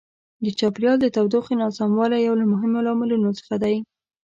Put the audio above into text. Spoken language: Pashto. د چاپیریال د تودوخې ناسموالی یو له مهمو لاملونو څخه دی.